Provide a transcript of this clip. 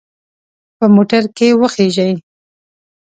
په موټر کې وخیژئ.